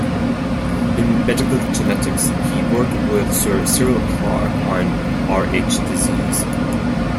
In medical genetics, he worked with Sir Cyril Clarke on Rh disease.